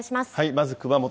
まず、熊本。